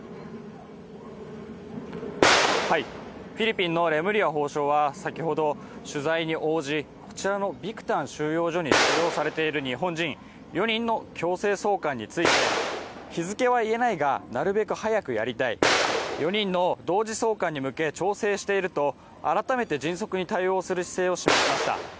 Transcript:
フィリピンのレムリヤ法相は先ほど取材に応じ、こちらのビクタン収容所に収容されている日本人４人の強制送還について日付は言えないが、なるべく早くやりたい４人の同時送還に向けて調整していると改めて迅速に対応する姿勢を強調しました。